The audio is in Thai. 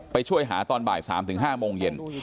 ไปช่วยหาตอนบ่ายสามถึงห้าโมงเย็น